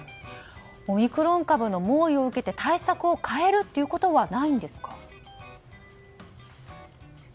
オミクロン株の猛威を受けて対策を変えるということはないんですか？